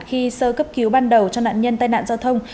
khi sơ cấp cứu ban đầu cho nạn nhân tai nạn giao thông